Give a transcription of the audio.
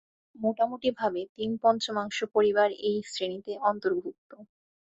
মোটামুটিভাবে তিন-পঞ্চমাংশ পরিবার এই শ্রেণীতে অর্ন্তভুক্ত।